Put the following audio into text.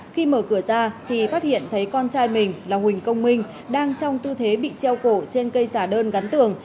khi mở cửa ra thì phát hiện thấy con trai mình là huỳnh công minh đang trong tư thế bị treo cổ trên cây xả đơn gắn tường